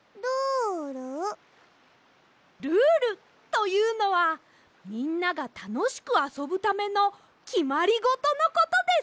「ルール」というのはみんながたのしくあそぶためのきまりごとのことです！